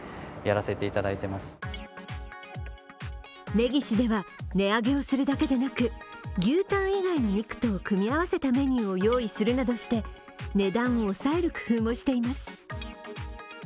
ねぎしでは値上げをするだけでなく牛タン以外の肉と組み合わせたメニューを用意するなどして値段を抑える工夫もしています。